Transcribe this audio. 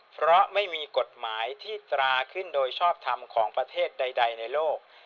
เพราะไม่มีกฎหมายที่ตราขึ้นโดยชอบทำของประเทศใดในโลก